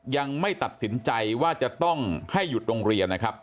ยังไม่ตัดสินใจว่าจะต้องให้หยุดโรงเรียนนะครับ